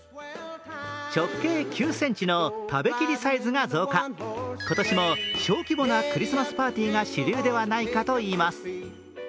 直径９ｃｍの食べきりサイズが増加今年も小規模なクリスマスパーティーが主流ではないかといいます。